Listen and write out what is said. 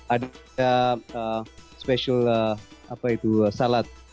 ada special apa itu salat